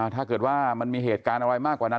ถ้าเกิดว่ามันมีเหตุการณ์อะไรมากกว่านั้น